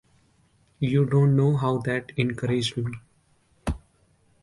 You don’t know how that encouraged me.